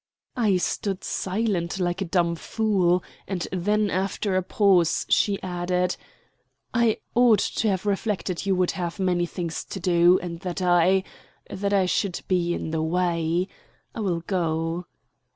I stood silent like a dumb fool; and then after a pause she added: "I ought to have reflected you would have many things to do, and that I that I should be in the way. I will go."